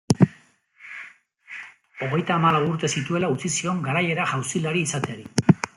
Hogeita hamalau urte zituela utzi zion garaiera-jauzilari izateari.